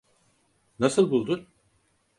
Nasıl buldun?